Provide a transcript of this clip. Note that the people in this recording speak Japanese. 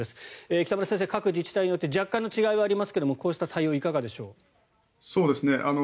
北村先生、各自治体によって若干の違いはありますがこうした対応いかがでしょう？